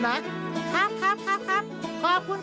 และคู่อย่างฉันวันนี้มีความสุขจริง